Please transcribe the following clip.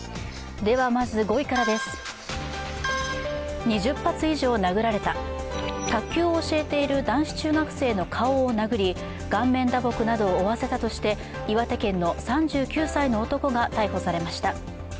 まず５位からです、２０発以上殴られた、卓球を教えている男子中学生の顔を殴り顔面打撲などを負わせたとして岩手県の３９歳の男が逮捕されました。